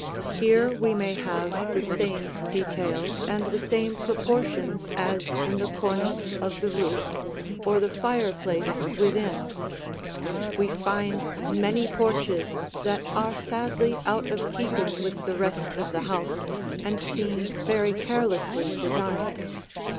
Here we may have the same details and the same proportions as in the cornice of the roof, or the fireplace within. We find many porches that are sadly out of keeping with the rest of the house and seem very carelessly designed.